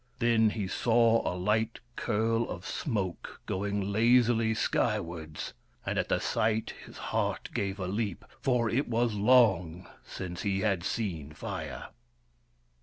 Then he saw a light curl of smoke going lazily skywards, and at the sight his heart gave a leap, for it was long since he had seen Fire.